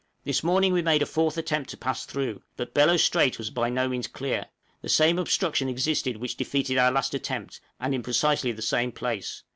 This morning we made a fourth attempt to pass through; but Bellot Strait was by no means clear; the same obstruction existed which defeated our last attempt, and in precisely the same place.